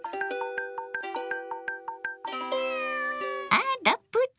あらプチ！